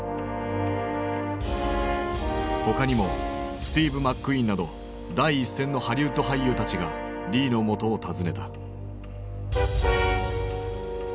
他にもスティーブ・マックイーンなど第一線のハリウッド俳優たちがリーの元を訪ねた。